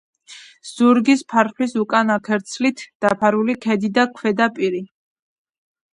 ზურგის ფარფლის უკან ქერცლით დაფარული ქედი და ქვედა პირი.